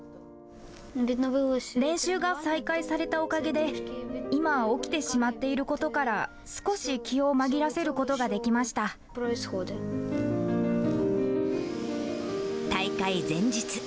練習が再開されたおかげで、今起きてしまっていることから、少し気を紛らせることができまし大会前日。